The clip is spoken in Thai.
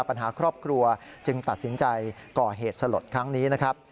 ปัญหาครอบครัวจึงตัดสินใจก่อเหตุสลดครั้งนี้นะครับ